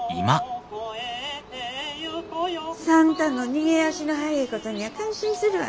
算太の逃げ足の速えことにゃ感心するわ。